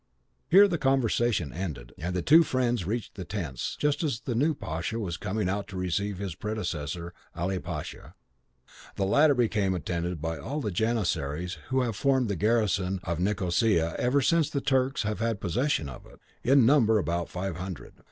Here the conversation ended, and the two friends reached the tents, just as the new pasha was coming out to receive his predecessor, Ali Pasha. The latter came attended by all the janissaries who have formed the garrison of Nicosia ever since the Turks have had possession of it, in number about five hundred.